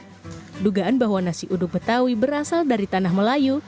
dan jugaan bahwa nasi uduk betawi berasal dari tanah melayu